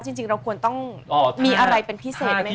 จริงเราควรต้องมีอะไรเป็นพิเศษไหมค